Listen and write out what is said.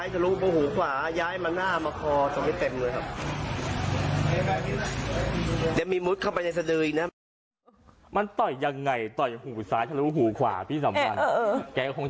ถลุคุณพี่ไม่ได้ยืนให้สัมภาษณ์เอาเป็น